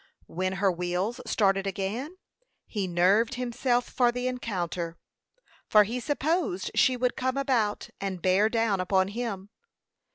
When her wheels started again, he nerved himself for the encounter; for he supposed she would come about, and bear down upon him.